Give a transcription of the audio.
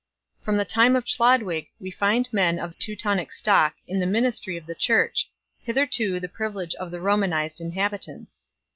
From the time of Chlodwig we find men of Teutonic stock in the ministry of the Church, hitherto the privilege of the Romanized inhabitants.